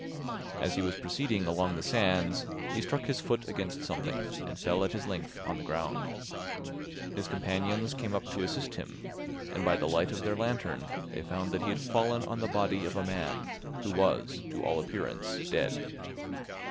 As he was proceeding along the sands, he struck his foot against something and fell at his length on the ground. His companions came up to assist him, and by the light of their lantern they found that he had fallen on the body of a man, who was to all appearance dead.